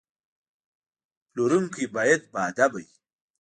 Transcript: پلورونکی باید باادبه وي.